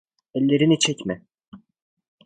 Ellerini çekme.